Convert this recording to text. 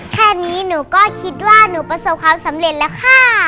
แค่นี้หนูก็คิดว่าหนูประสบความสำเร็จแล้วค่ะ